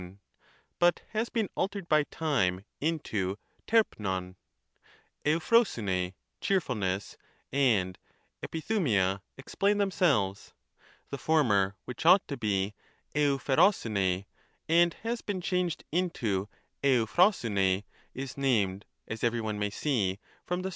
^pTTvovv, but has been altered by time into rep vdv ; evcpponvvr] (cheerfulness) and enidvuia explain themselves ; the former, which ought to be evcfiepooiivT] and has been changed into Ev(f)poavvT], is named, as every one may see, from the .